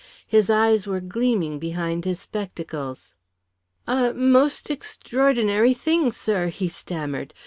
His eyes were gleaming behind his spectacles. "A most extraordinary thing, sir," he stammered.